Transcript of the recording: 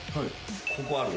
ここあるな。